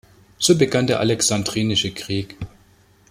So begann der Alexandrinische Krieg.